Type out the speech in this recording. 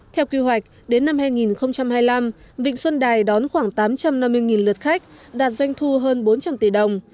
theo quy hoạch đến năm hai nghìn hai mươi năm vịnh xuân đài đón khoảng tám trăm năm mươi lượt khách đạt doanh thu hơn bốn trăm linh tỷ đồng